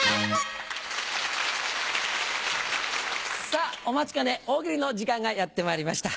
さぁお待ちかね大喜利の時間がやってまいりました。